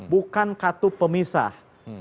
bukan katup pemisah